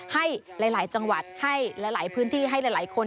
ให้หลายจังหวัดให้หลายพื้นที่ให้หลายคน